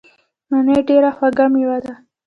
مڼې ډیره خوږه میوه ده.